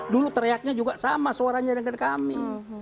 dulu teriaknya juga sama suaranya dengan kami